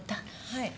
はい。